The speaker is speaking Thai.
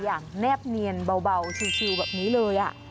อย่างแนบเนียนเบาชิลแบบนี้เลยอะ